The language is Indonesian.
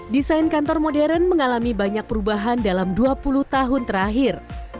desain kantor modern mengalami banyak perubahan dalam dua puluh tahun terakhir